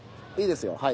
いいですよ。